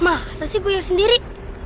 masa sih gue yang sendiri